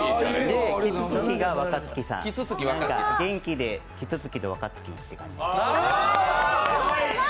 キツツキが若槻さん、元気でキツツキとワカツキって感じで。